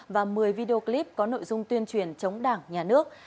và một mươi video clip có nội dung tuyên truyền chống đảng nhà nước